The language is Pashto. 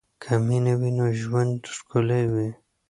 که مینه وي نو ژوند ښکلی وي.